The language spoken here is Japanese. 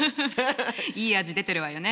いい味出てるわよね。